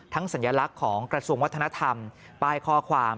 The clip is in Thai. สัญลักษณ์ของกระทรวงวัฒนธรรมป้ายข้อความ